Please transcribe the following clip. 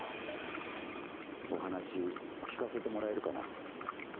お話聞かせてもらえるかな。